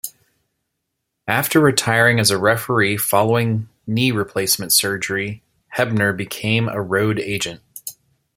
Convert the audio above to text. After retiring as a referee following knee replacement surgery, Hebner became a road agent.